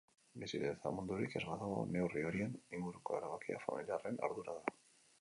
Bizi testamendurik ez badago, neurri horien inguruko erabakia familiarren ardura da.